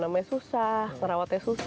karena namanya susah ngerawatnya susah